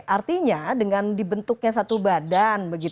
artinya dengan dibentuknya satu badan